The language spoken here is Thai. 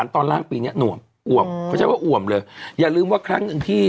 ตรงอีสารตอนบน